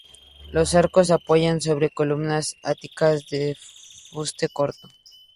Los arcos apoyan sobre columnas áticas de fuste corto.